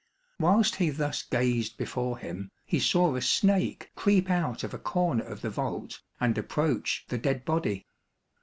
Whilst he thus gazed before him, he saw a snake creep out of a corner of the vault and approach the dead body.